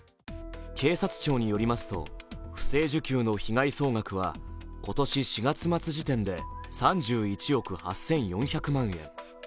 警察庁によりますと不正受給の被害総額は今年４月末時点で３１億８４００万円。